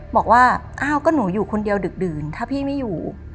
บอกว่าอ้าวก็หนูอยู่คนเดียวดึกดื่นถ้าพี่ไม่อยู่